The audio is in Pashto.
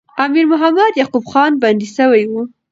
امیر محمد یعقوب خان بندي سوی وو.